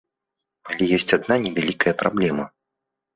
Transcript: Але ёсць адна невялікая праблема.